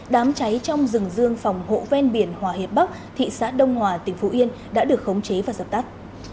đám cháy trong rừng dương phòng hộ ven biển hòa hiệp bắc thị xã đông hòa tỉnh phú yên đã được khống chế và dập tắt